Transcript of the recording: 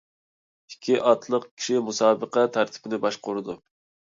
ئىككى ئاتلىق كىشى مۇسابىقە تەرتىپىنى باشقۇرىدۇ.